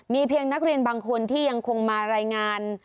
มีเพียงนักเรียนบางคนที่ยังคงมารายงาน